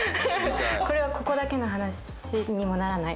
「これはここだけの話にもならない？」